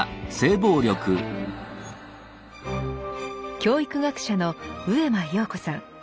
教育学者の上間陽子さん。